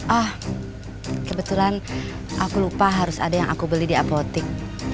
oh kebetulan aku lupa harus ada yang aku beli di apotek